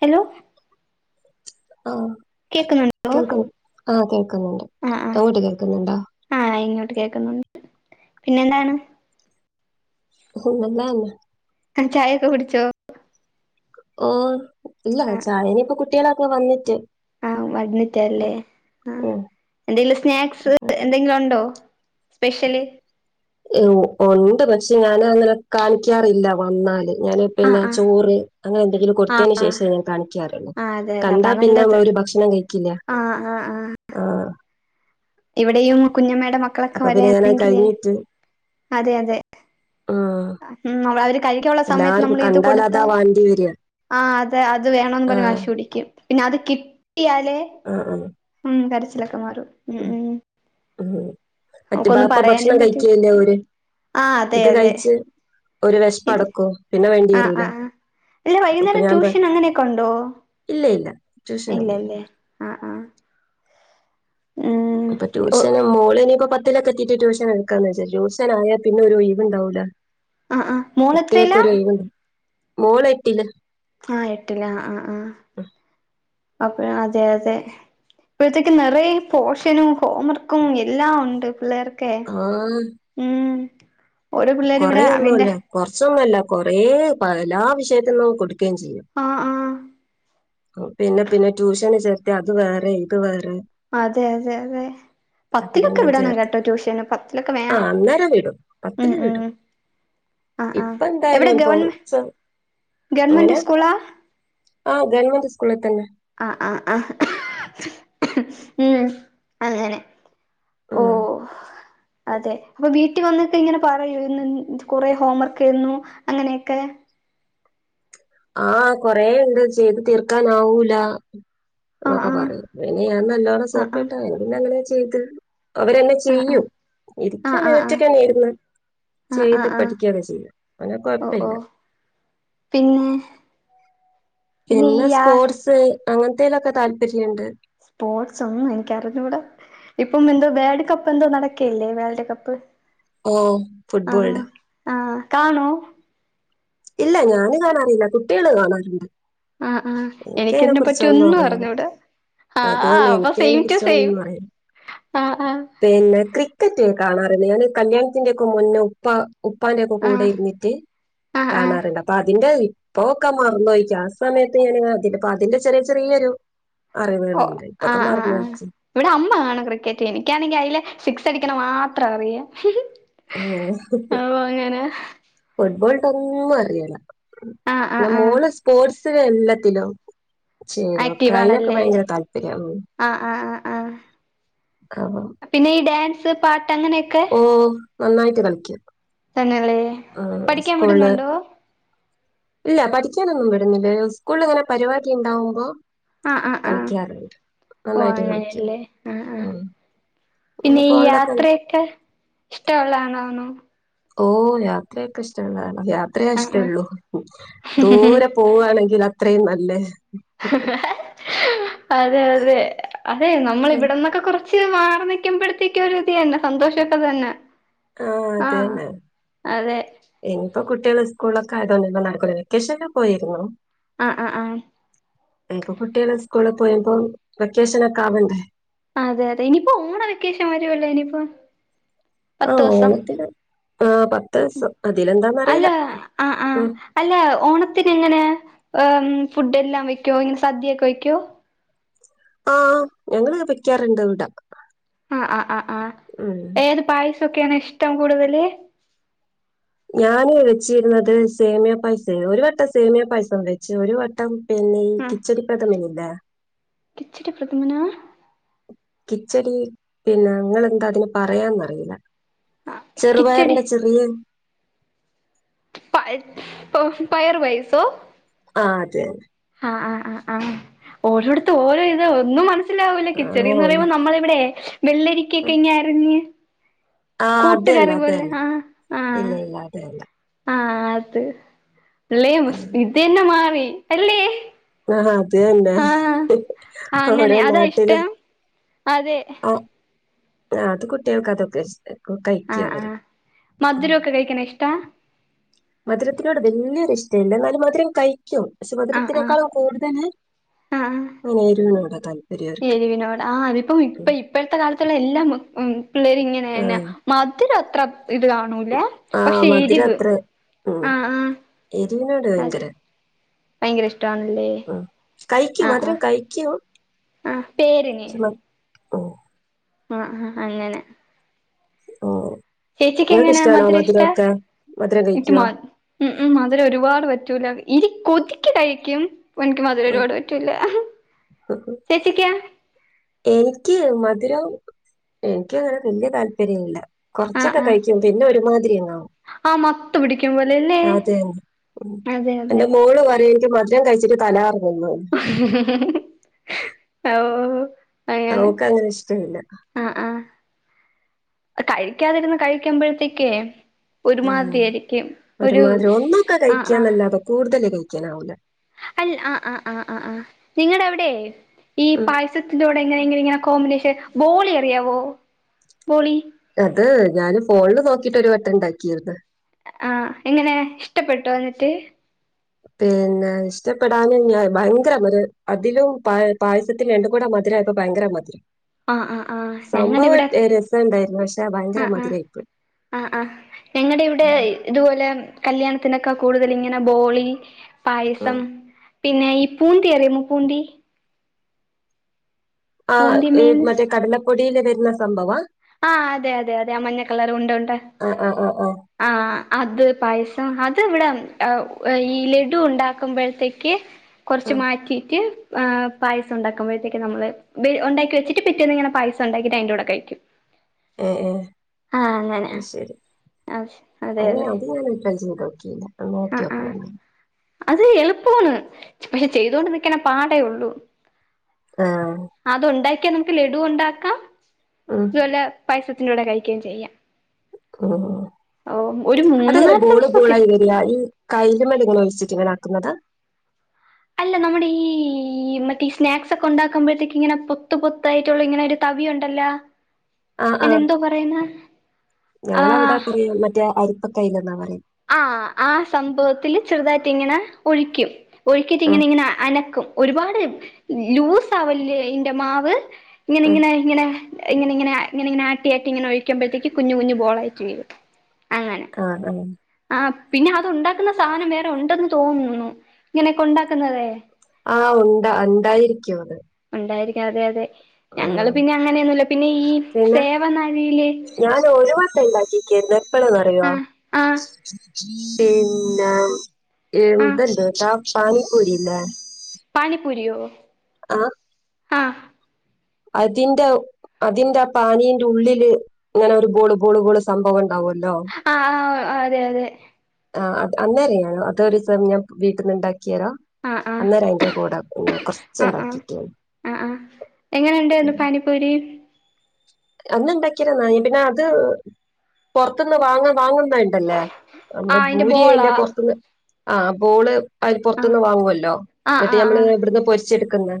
Hello [inaudible] ആം കേക്കുന്നുണ്ടോ കേൾക്ക ആ കേൾക്കുന്നുണ്ട് ആഹ് ആഹ് അങ്ങോട്ട് കേൾക്കുന്നുണ്ടോ ആഹ് ഇങ്ങോട്ട് കേക്കുന്നുണ്ട് പിന്നെ എന്താണ് [unintelligible] ചായ ഒക്കെ കുടിച്ചോ ക്ക് ഓ ഇല്ല ചായെനെ ഇപ്പ കു കുട്ടികളൊക്കെ വന്നിട്ട് അഹ് വിന്നിട്ടല്ലേ ഉം ആ ഉം എന്തെങ്കിലും സ്നാക്സ് എന്തെങ്കിലൊണ്ടോ സ്പെഷ്യല് ഉണ്ട് പക്ഷെ ഞാൻ അങ്ങനെ കാണിക്കാറില്ല വന്നാല് ഞാന് ആഹ് പിന്നെ ആഹ് ചോറ് അങ്ങനെ എന്തെങ്കിലും ആഹ് കൊടുത്തതിന് ആഹ് ശേഷം ഞാൻ കാണിക്കാറുള്ളൂ ആഹ് അതെ അതെ കണ്ടാ അതാ പിന്നെ അവ നല്ലത് ഒരു ഭക്ഷണം കഴിക്കില്ല ആഹ് ആഹ് ആഹ് ആ ഇവിടെയും കുഞ്ഞ മക്കളൊക്കെ അപ്പൊ പിന്നെ ഞാനത് വരണെങ്കിലേ കഴിഞ്ഞിട്ട് അതെ അതെ ആഹ് മ്മ് അവര് കഴുക്കാനുള്ള സമയത്ത് എല്ലാർക്കും നമ്മൾ ഇത് കണ്ടാൽ കൊടുത്ത് അതാ വാണ്ടി വരിക ആ അത് അതിവേണോന്ന് പറഞ്ഞു ആഹ് വാശി പിടിക്കും പിന്നത് കി ട്ടിയാല് ആഹ് ആഹ് ഉം കാര് [unintelligible] [inaudible] മറ്റേ നമുക്കൊന്നും ബാപ്പ ഭക്ഷണം പറയാനും പറ്റി കഴിച്ചേൻ്റെ ഓര് ആ അതെ ഇത് അതെ കഴിച്ച് ഒരു വിശപ്പ് ഇത് അടക്കും പിന്നെ വേണ്ടി ആ ആ വരൂല ആ അല്ല അപ്പൊ വൈകുന്നേരം ഞാൻ പറ ഇല്ലേ ഇല്ല ട്യൂഷനൊന്നുമില്ല ഇല്ല്ല്ലേ ആഹ് ആഹ് ഇപ്പൊ ട്യൂഷന് മോളിനിപ്പോ പത്തി വീട്ടിലൊക്ക കിട്ടീട്ട് ട്യൂഷൻ എടുക്കാന്ന് വെച്ചാ ട്യൂഷനായാൽ പിന്നെ ഒരു ഒഴിവുണ്ടാവുല ആ ആഹ് മോളെത്രയില മോള് എട്ടില് ആഹ് എട്ടില ആഹ് ആഹ് അപ്പ അതെ അതെ ഇപ്പോഴത്തേക്ക് നിറയ പോഷനും ഹോം വർക്കും എല്ലാം ഉണ്ട് പിള്ളേർക്ക്. ക്കെ മ്ഹ് [inaudible] കൊറ ഒന്നുംല്ല കൊറച്ചൊന്നുമല്ല, കൊറേ എല്ലാ വിഷയത്തിന്നും കൊടു ക്കെ ചെയ ആ ആ പിന്നെ പിന്നെ ട്യൂഷന് ചേർത്തി അത് വേറെ ഇത് വേ അതെ അതെ അതെ അപ്പൊ പിന്നെ പത്തിലൊക്കെ ഞാൻ വിടണം ചേർത്തി കേട്ടോ ട്യൂഷന് പത്തിലൊക്കെ ആ വേണം അന്നേരം വിടും ഉ പത്തില് ഉ വിടും ആ ആ ഇപ്പൊ എവിടെ എന്തായാലും ഇപ്പൊ ഗവൺമെ ഗവൺമെന്റ് സ്കൂളാ ആഹ ഗവമന്റ് സ്കൂൾ തന്നെ ആഹ ആഹ് ആ ഉം അങ്ങനെ ഓ ഉം അതെ അപ്പൊ വീട്ടിൽ വന്നൊക്കെ ഇങ്ങനെ പറയൂ ഇന്ന് കൊറെ ഹോം വർക്കയിരുന്നു അങ്ങനെയൊക്കെ ആഹ കൊറെ ഇത് ചെയ്ത് തീർക്കാനാവൂല ആഹ് എന്നൊക്കെ പറയും പിന്നെ ഞാൻ നല്ലോണം ആഹ് സോപ്പട്ട ആഹ് പിന്നെനെ ത് അവരന്നെ ആഹ് ചെയ്യൂ ആഹ് ഇരിക്കാൻ ആഹ് ആഹ് ഏറ്റക്കെന്ന ആഹ് ഇന്ന് ആഹ് ആഹ് ചെയ്ത് ആഹ് ആഹ് പഠിക്കുകയൊക്കെ ചെയ്യും അങ്ങനെ ഓ ഓ കൊഴപ്പമില്ല പിന്നെ ഈ പിന്നെ ആ സ്പോർട്സ് അങ്ങനേലൊക്ക താല്‌പര്യ സ്പോർട്സ് ഒന്നും എനിക്ക അറിഞ്ഞുകൂട ഇപ്പം എന്തോ വേഡ് കപ്പ് എന്തോ നടക്കല്ലേ വേൾഡ കപ്പ് ഓ ഫുട്ബോള് ആഹ് ആഹ് കാണോ ഇല്ല ഞാന് കാണാറില്ല കുട്ടികള് കാണാറുണ്ട് ആ ആ എനിക്കതിനെ എനിക്കിതിനെ പറ്റി കുറിച്ചൊന്നും ഒന്നും അറിയില്ല അറിഞ്ഞൂട ആ അത് തന്നെ അപ്പൊ എനിക്കതിനെ സെയിം റ്റു സെയിം കുറിച്ചൊന്നും അറിയില്ല ആ ആ ക്കറ്റ് ഞാൻ കാണാറുണ്ട് ഞാനീ കല്യാണത്തിന്റെക്കെ മുന്നേ ഉപ്പ ഉപ്പാന്റക്കെ കൂടെ ആഹ് ഇരുന്നിട്ട് ആഹ് ആഹ് കാണാറുണ്ട് അപ്പൊ അതിന്റെ പ്പോക്കെ മാറന്നോയിക്ക ആ സമയത്ത് ഞാൻ അതിന്റെപ്പ അതിന്റെ ചെറിയ ചെറിയൊരു ഓ അറിവുകളുണ്ട് ആ ഇപ്പൊക്കെ ആ ആ മറന്നോയിക്ക് ഇവിടെ അമ്മ കാണും ക്രിക്കറ്റ് എനിക്കാണെങ്കി അതിലെ സിക്സടിക്കണ മാത്രം അറിയ ഉം ഫുട്ബോൾ തൊള്ളി അറിയൂല്ല ആഹ് ആഹ് പിന്നെ ആഹ് മോള് സ്പോർട്സ് ത്തിലും എല്ലാത്തിലും ചേരും ഒക്കെ അതിനൊക്കെ ആക്റ്റീവാണല്ലേ ഭയങ്കര താല്പര്യം ആ ആ ആ അപ്പൊ ആ പിന്നെ ഈ ഡാൻസ് സ് പാ ട്ട് അങ്ങനെയൊക്കെ ഓ നന്നായിട്ട് കളിക്കും തന്നെയല്ലേ ആ പഠിക്കാൻ സ്കൂള് വിടുന്നുണ്ടോ ഇല്ല പഠി ക്കാനൊന്നും വിടുന്നില്ല സ്കൂളിലങ്ങനെ പരിപാടി ഉണ്ടാവുമ്പോ ആ ആ ആ കളിക്കാറുണ്ട് ഒ നന്നായിട്ട് കളിക്കും അങ്ങനെയല്ലെ ആ ആ ഉം പിന്നെ ഈ ഫോണിലൊക്കെ യാത്രയൊക്കെ ഇഷ്ടമുള്ളതാണ് ആണോ ഓ യാത്രയൊക്കെ ഇഷ്ടമുള്ളതാണ് യാത്രയാ ആഹ് ഇഷ്ട്ടൊള്ളു ആഹ് ദൂരെ പോകുവാണെങ്കില അത്രേയും അല്ലേ അതെ അതെ അതെ നമ്മളിവിടന്നൊക്കെ കുറച്ച് ച്ച് മാറി നിൽക്കുമ്പോഴത്തേക്കും ഒരിതന്നെ സന്തോഷൊക്കെ തന്നെ ആ ആഹ് അതന്നെ അതെ എനി ഇപ്പൊ കുട്ടികള് സ്കൂളൊക്കെ ആയതോണ്ട് ഒന്നും നടക്കൂല്ല വെക്കേഷന് പോയിരുന്നു ആ ആ ആ ഇപ്പൊ കുട്ടികള് സ്കൂളി പോയപ്പം വെക്കേഷനൊക്കെ ആവണ്ടെ അതെ അതെ ഇനിയിപ്പോ ഓണ വെക്കേഷൻ വരുവല്ലോ ഇനിയിപ്പം ആ പത്ത് ദിവസം ഓണത്തിന് ആ പത്ത് ഉം ദിവസം അല്ല അതിലെന്താന്നറിയില്ല ആ ആ ഉം. അല്ല ഓണത്തിനിങ്ങനെ ഏ ഫുഡ് എല്ലാം വെക്കോ ഇങ്ങനെ സദ്യൊക്കെ വയ്ക്കോ ആഹ ഞങ്ങള് വെക്കാറുണ്ട് ഇവിട അ അ അ അ ഏത് പായസം ക്കെയാണ് ഇഷ്ടം കൂടുതല് ഞാന് വെച്ചിരുന്നത് സേമിയ പായസ ഒരു വട്ടം സേമിയ പായസം വെച്ച് ഒരു വട്ടം പിന്നെ ഈ ആഹ് കിച്ചടി പ്രദമ ന്ത കിച്ചടി [inaudible] പ്രഥമന കിച്ചടി പിന്നെ നിങ്ങെന്താ അതിന് പറയാന്നറിയില്ല കിച്ചടി ചെറുപയറിന്റെ ചെറിയ പ പ പയർ വൈസോ ആ അതെ നെ അ അ അ അ ഓരോടത്തും ഓരോ ഇത് ഒന്നും മന വില്ലേ ആഹ് കിച്ചടി എന്ന് പറയുമ്പോ ഒ നമ്മള ഇവിടെ വെള്ളരിക്കൊക്കെ ഇങ്ങ എരിഞ്ഞ് ആഹ അതല്ല അതല്ല ഇല്ല ഇല്ല അതല്ല ആഹ അത് അല്ലെ ഇത് തന്നെ മാറി അല്ലേ ആ അത് തന്നെ, ആഹ് ആഹ് ഓരോ അങ്ങനെ അതാ നാട്ടില് ഇഷ്ടം അതെ ആ ആ, അത് കുട്ടികൾക്ക് അതൊക്കെ ഇഷ്ട ആ, ആ മധുരമൊക്കെ കഴിക്കണ ഇഷ്ടാ മധുരത്തിനോട് വലിയൊരു ഇഷ്ട വില്ല എന്നാലും മധുരം കഴി ആഹ് ആഹ് മധുരത്തിനേക്കാളും കൂടുതല് ആഹ് ആഹ് [unintelligible] അതെ എരിവിനോട് ആ അതിപ്പം ഇപ്പ ഇപ്പഴത്തെ കാലത്തുള്ള എല്ലാം മ് പിള്ളേരിങ്ങനെ തന്നെ ആഹ് മധുരം [unintelligible] ഇത് കാണൂലേ ആഹ് പക്ഷെ മധുരം എരിവ് അത്ര ഉം അ അ എരിവിനോട് അതെ ഭയങ്കര ഭയങ്കര ഇഷ്ടാണല്ലേ, ഉം അ കഴിക്കും അ മധുരം കഴിക്കും ആ പേരിന് ഓ ആ, അങ്ങനെ ഓ ചേച്ചിക്ക് എങ്ങനാ മധുര ഇഷ്ട്ടാ, മധുരം എനിക്ക് കഴിക്കുവോ മധുരം ഒരുപാട് പറ്റൂല, കൊതിക്ക് കഴിക്കും എനിക്ക് മധുര ഒരുപാട് പറ്റൂല്ല, ഉം. ചേച്ചിക്കോ എനിക്ക് മധുരവും എനിക്ക് അങ്ങനെ വലിയ താല്പര്യ ഇല്ല ആഹ് കൊറച്ചൊക്കെ ആഹ് കഴിക്കും, പിന്നെ ഒരുമാതിരി അങ്ങാവും, ആഹ് മത്ത് പിടിക്കും പോലെല്ലേ അതന്നെ അതെ അതെ എന്റെ മോള് പറയും മധുരം കഴിച്ചിട്ട തല കറ ആ ആ അവക്കങ്ങനെ ഇഷ്ടം ഇല്ല ആഹ് കഴിക്കാതിരുന്ന് കഴിക്കുമ്പോഴത്തേക്കേ ആ, ഒരുമാതിരി ആയിരിക്കും ഒരു ഒരുമാതിരി ഒന്നൊക്കെ കഴിക്കാ എന്നല്ലാത കൂടുതല് കഴിക്കനാവുല്ല അല്ല, ആ, ആ, ആ ആ, ആ, നിങ്ങടെ എവിടെയെ ഈ ഉം. പായസത്തിലോ എങ്ങനെങ്ങങ്ങനെ കോമ്പിനേഷൻ ബോളി അറിയാവോ ബോളി അതെ ഞാന് ഫോണില് നോക്കിട്ട് ഒരു വട്ടം ഉണ്ടാക്കിയിന്ന് ആഹ എങ്ങനെ ഇഷ്ടപ്പെട്ടു എന്നന്നിട്ട് പിന്നെ ഇഷ്ടപ്പെടാന് ഭയങ്കര ഒരു അതിലും പ പായസത്തിും രണ്ട കൂടെ മധുരമായപ്പോ ഭയങ്കര മധുരം ആ ആ് ആ ഞങ്ങുടെ സംഭവം ഇവിടെ രസം ഉണ്ടായിരുന്നു പക്ഷെ ആ ഭയങ്കര ആ മധുരമായിപ്പോയി ആ ആ് ഞങ്ങളുടെ ഇവിടെ ഇതുപോലെ കല്യാണത്തിന കൂടുതൽ ഇങ്ങനെ ബോളി പായസം പിന്നെ ഈ പൂന്തി അറിയ മോ പൂന്തി ആ പൂന്തി മറ്റേ കടലപ്പൊട ന്ന സംഭവം ആ അതെ അതെ അതെ ആ മഞ്ഞക്കളർ ഉണ്ട് ഉണ്ട് ആ ആ ആ ആ ആഹ അത് പായസം അത് ഇവിടെ ഈ ലഡു ഉണ്ടാക്കുമ്പോഴത്തേക്ക് ആ കുറച്ച് മാറ്റിട്ട് പസ ഉണ്ടാക്കുമ്പോഴത്തേക്ക് നമ്മള് ഉണ്ടാക്കി വെച്ചിട്ട് പിറ്റേന്ന ഇങ്ങനെ പായസം ഉണ്ടാക്കിട്ട് അതിൻന്റെ കൂടെ കഴിക്കും ഏ ഏ ആ അങ്ങനെ അ ശരി അതെ അതെ അങ്ങനെ അതെ അത് ഞാൻ ഇപ്പ ചെയ്ത് നോക്കിയില്ല ആ നോക്കി ആ നോക്കണം അത് എളുപ്പമാണ് പക്ഷെ ചെയ്തൊണ്ട് നിക്കണ പാടേ ഉള്ളു ആഹ ക്കെ നമുക്ക് ലഡു ഉണ്ടാക്കാം തുവല്ല പൈസ [unintelligible] ടെ കഴിക്കേം ചെയ്യാം ആഹ് ഓ ഒരു മൂന്ന് അതെങ്ങനെ നാല് ബോള് ദിവസൊക്കെ ബോളായി എടുക്കും വരിയ ഈ കയ്ല്മ്മല് ഇങ്ങനെ വെച്ചിട്ട് ഇങ്ങനാ ക്കുന്നത് അല്ല നമ്മുടെ ഈ മറ്റേ സ്നാക്സ് ഒക്കെ ഉണ്ടാക്കുമ്പഴത്തേക്ക് ഇങ്ങനെ പൊത്ത് പൊത്തായിട്ടുള്ള ഇങ്ങനെ ഒരു തവിയുണ്ടല്ലോ ആ ആ അയിന് എന്തോ പറയുന്ന ഞങ്ങളവിടെ [unintelligible] മറ്റേ അരി പ്പ കയ്ലെന്നാ പറയ ആഹ് ആഹ് സംഭവത്തില് ചെറുതായിട്ട് ഇങ്ങനെ ഒഴിക്കും. ആ ഒഴിച്ചിട്ടിങ്ങനെ ഇങ്ങനെ അനക്കും. ഒരുപാട് ലൂസ് ആവല്ലെ യിന്റെ മാവ്. ഇങ്ങനെ ആ ഇങ്ങനെ ഇങ്ങനെ ഇങ്ങനിങ്ങനെ [unintelligible] ഇങ്ങനിങ്ങനെ ആട്ടിയാട്ടി ഇങ്ങനെ ഒഴിക്കുമ്പഴ്ത്തേക്ക് കുഞ്ഞു കുഞ്ഞ് ബോളായി റ്റ് വെരും. അങ്ങനെ ആ ആ ആ പിന്നെ അത് ഉണ്ടാക്കുന്ന സാനം വേറെ ഉണ്ടെന്ന് തോന്നുന്നു ഇങ്ങനെയൊക്കെ ഉണ്ടാക്കുന്നതെ. ആഹ് ഉണ്ട ണ്ടായിരിക്കും അത്. ഉണ്ടായിരിക്കാം അതെ അതെ ഞങ്ങള് ഉം പിന്നെ അങ്ങനെയൊന്നുമില്ല പിന്നെ ഈ പിന്നെ സേവനാഴിയിലെ ക്ക്യ് ന്ന്. എപ്പള് ന്നറിയോ. പിന്ന ആഹ് ഇത് ഇണ്ട്ട്ടോ പാനിപൂരിയില്ലേ പാനിപൂരിയോ? ആഹ് അതിന്റെ അതിന്റെ പാനീന്റെ ഉള്ളില് ഇങ്ങനൊരു ബോള് ബോള് ബോള് സംഭവം ഉണ്ടാവുമല്ലോ ആഹ് ആഹ് അതെ അതെ അന്നേരെയാണോ അതൊരീസം ഞാൻ വീട്ടന്ന്ണ്ടാ ക്ക്യാറം ആഹ് ആഹ് അന്നേരം അയിന്റെ കൂട പിന്നെ കുറച്ച് ആഹ് ഉണ്ടാക്കിട്ടേള്ളൂ ങ്ങനണ്ടാരുന്നു പാനിപ്പൂരി? അന്ന് ഉണ്ടാക്കിയേര ന്നായി പിന്നെ അത് പൊറത് ന്ന് വാങ്ങാൻ വാങ്ങുന്ന ഇണ്ടല്ലേ നമ്മള് ആഹ് അയിന്റെ പൂരി അയിൻ്റെ ബോളാ പുറത്ത്ന്ന് ആഹ് ബോള് അല് ആഹ് പുറത്തുന്ന് വാങ്ങുവല്ലോ ആഹ് എന്നിട്ട് ആഹ് ഞമ്മള് ആഹ് ഇവട്ന്ന് പൊരിച്ചെടുക്ക്ന്ന്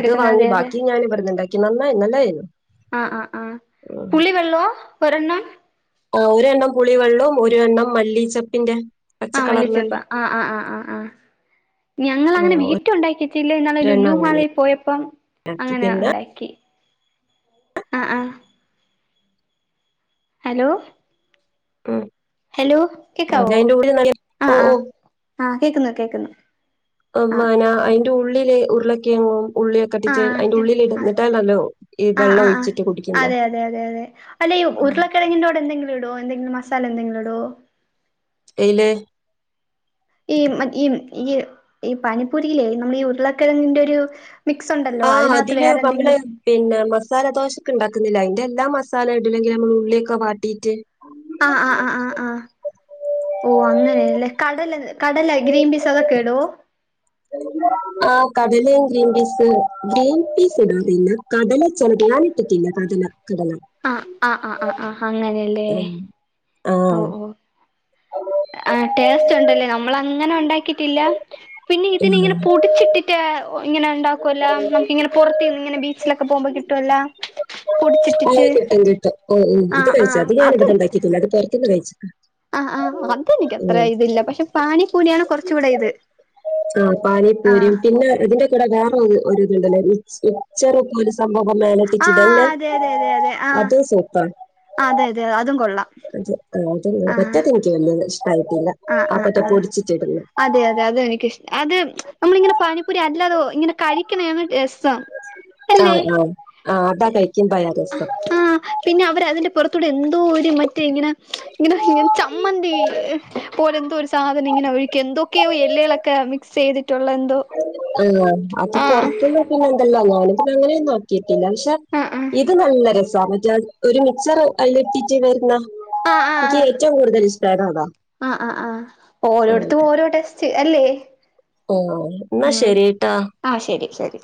അത് വാങ്ങി അതെ അതെ ബാക്കി ഞാൻ ഇവട്ന്ന്ണ്ടാ ക്കി. നന്നായി നല്ലയേരുന്നു. ആ ആ ആ പുളി വെള്ളോ ഒരെണ്ണം ആ ഒരെണ്ണം പുളിവെള്ളോം ഒരെണ്ണം മല്ലീചെപ്പിന്റെ ആ മല്ലിച്ചെപ്പാ ആ ആ ആ ആ ആ ഞങ്ങൾ ആ, അങ്ങനെ ഒരു വീറ്റുണ്ടാക്കി കില്ലേ ന്നാള് എണ്ണം ലുല്ലു അങ്ങനെ മാളിൽ പോയപ്പം അങ്ങനെ പിന്നെ ഉണ്ടാക്കി അ ആ ഹലോ ഉം ഹലോ കേക്കാവോ അതിന്റെ കൂടെ അ ഓ ആ ഓ ആ കേക്ക്ന്നു കേക്ക്ന്നു [unintelligible] ൻ്റുള്ളില് ഉരുളക്കിഴങ്ങും ഉള്ളിയൊക്കെ ആ ഇട്ടിട്ട് അയിന്റെ ഉള്ളിലിടും എന്നിട്ടാണല്ലോ ഈ ആ ആ വെള്ളം ആ ആ ഒഴിച്ചിട്ട് കുടിക്കുന്നെ അതെ അതെ അതെ അതെ അല്ലെ ഉരുളക്കിഴങ്ങിൻ്റോട് എന്തെങ്കിലും ഇടോ എന്തെങ്കിലും മസാല എന്തെങ്കിലിടോ എയ്ല് ഈ മ ഈ ഈ ഈ പാനിപ്പുരിയിലെ നമ്മളീ ഉരുളക്കിഴങ്ങിന്റെ ഒരു മിക്സ് ഉണ്ടല്ലോ ആ അതിനകത്ത് അതില് വേറെ നമ്മള് എന്തെങ്കിലും പിന്നെ മസാലദോശ ക്ക്ണ്ടാക്കുന്നില്ലേ അതിന്റെ എല്ലാ മസാല ഇടില്ലെങ്കിൽ നമ്മൾ ഉള്ളിയൊക്കെ വാട്ടീട്ട് ഓ അങ്ങനെയെല്ലെ കടല് കടല ഗ്രീൻ പീസ് അതൊക്കെട്വോ ആ കടലയും ഗ്രീൻ പീസ് ഗ്രീൻ പീസ് ഇടുന്നില്ല കടല ചെർതായിട്ട് ഞാനിട്ടിട്ടില്ല കടല കടല ആ ആ ആ ആ ആ അങ്ങനെയെ ഉം ആം ആ ടേസ്റ്റ് ഉണ്ടല്ലേ ന നമ്മളങ്ങനെ ഉണ്ടാക്കിട്ടില്ല പിന്നെ ഇതിലിങ്ങനെ പൊടിച്ചിട്ടിട്ട് ഇങ്ങനെ ഇണ്ടാക്കുവല്ലാ നമുക്കിങ്ങനെ പാെർത്തിന്ന് ഇങ്ങനെ ബീച്ചിലൊക്കെ പോകുമ്പോ കിട്ടുവല്ല ആ പൊടിച്ചിട്ടിട്ട് കിട്ടും കിട്ടും ഓ ആ ആ അത് ത്ത്ന്ന് കഴിച്ച് ആ ആ അതെനിക്ക് അത്ര ഇതില്ല പക്ഷെ പാനി പൂരിയാണ് കൊറച്ചൂടെ ഇത് ആ വേറൊര് ഒര്ത്ണ്ടല്ലോ ചെറു [unintelligible] ബബ ആഹ് അതെ അതെ അതെ അതെ [unintelligible] ആഹ് അത് സൂപ്പറ അതെ അതെ അതും കൊള്ളാം പറ്റാത്ത എനിക്ക് വല്ല [unintelligible] ആ ആ ആ അതെ അതെ അതു എനിക്കിഷ്ടാ അത് നമ്മളിങ്ങനെ പാനിപ്പൂരി അല്ലാതോ ഇങ്ങനെ കഴിക്ക്ണേണ് [unintelligible] സം അല്ലെ ആഹ് ആഹ് ആഹ് അതാ കഴിക്കുമ്പഴാ രസം ആ പിന്നെ അവരതിൻ്റെ പുറത്തോടെ എന്തോ ഒര് മ റ്റെ ഇങ്ങനെ ഇങ്ങനെ ഇങ്ങനെ ചമ്മന്തി പോലെ എ ന്തോ ഒരു സാധനം ഇങ്ങനെ ഒഴിക്കും എന്തൊക്കെയോ എല്ലുകളൊക്കെ മിക്സ് ചെയ്തിട്ടുള്ള എന്തോ [inaudible] ആ അത് ആഹ് പൊറത്തുന്ന് പിന്നെ എന്തല്ലാന്നൊ [unintelligible] അങ്ങനെയും നോക്കി ട്ടില്ലാ പക്ഷെ ആഹ് ആഹ് ഇത് നല്ല രസ് സാ മറ്റെ ഒരു മിക്സർ അയ്ല് ഇട്ടിട്ട് വരുന്ന ആ ആ എനിക്ക് ഏറ്റവും കൂടുതൽ ഇഷ്ടം അതാ ആ ആ ആ ആ ഓരോടത്തും ഓരോ ടെസ്റ്റ് അല്ലേ ഓ എന്നാ ഉം ശരിട്ടോ ആഹ് ശരി ശരി